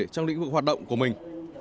trong lĩnh vực hoạt động của mình